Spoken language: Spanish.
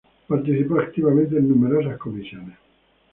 Participó activamente en numerosas comisiones.